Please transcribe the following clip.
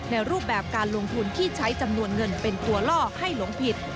รูปแบบการลงทุนที่ใช้จำนวนเงินเป็นตัวล่อให้หลงผิด